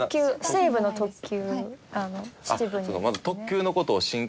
西武の特急。